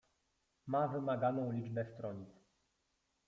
"Ma wymaganą liczbę stronic."